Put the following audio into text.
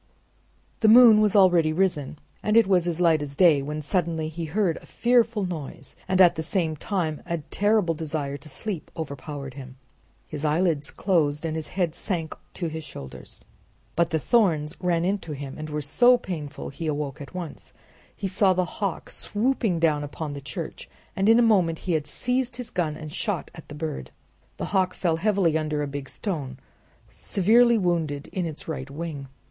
The moon was already risen and it was as light as day, when suddenly he heard a fearful noise, and at the same time a terrible desire to sleep overpowered him. His eyelids closed and his head sank on his shoulders, but the thorns ran into him and were so painful that he awoke at once. He saw the hawk swooping down upon the church, and in a moment he had seized his gun and shot at the bird. The hawk fell heavily under a big stone, severely wounded in its right wing.